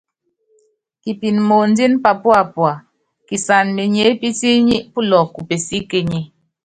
Kipin moondín papúápua, kisan menyépítíínyi pulɔk ku pesíkényé.